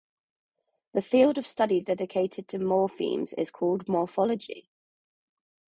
The field of study dedicated to morphemes is called morphology.